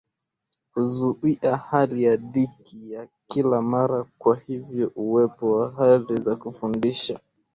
kuzua hali ya dhiki ya kila mara Kwa hivyo uwepo wa hali za kufadhaisha